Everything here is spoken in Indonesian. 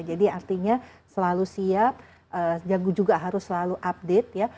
artinya selalu siap jago juga harus selalu update ya